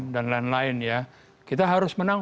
dan lain lain ya kita harus menang